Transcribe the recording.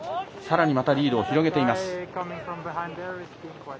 さらにまたリードを広げています。